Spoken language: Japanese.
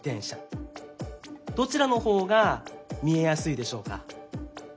どちらのほうがみえやすいでしょうか？